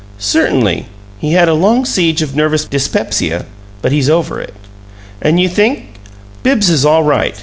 "Certainly. He had a long siege of nervous dyspepsia, but he's over it." "And you think " "Bibbs is all right.